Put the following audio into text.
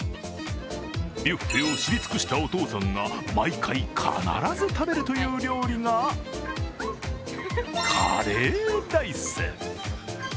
ビュッフェを知り尽くしたお父さんが、毎回必ず食べるという料理が、カレーライス。